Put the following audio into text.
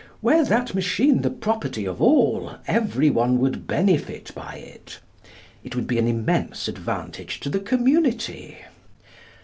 Were that machine the property of all, every one would benefit by it. It would be an immense advantage to the community.